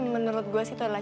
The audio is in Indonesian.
menurut gue sih itu adalah